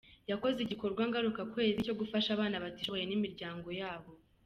Yakoze igikorwa ngaruka kwezi cyo gufasha abana batishoboye n’imiryango yabo.